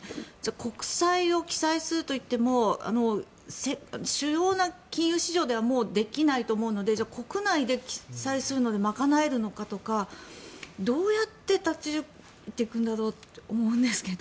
国債を記載するといっても主要な金融市場ではもうできないと思うので国内で歳出を賄えるのかとかどうやって立ち行くんだろうと思うんですが。